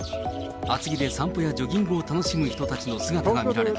厚着で散歩やジョギングを楽しむ人たちの姿が見られた。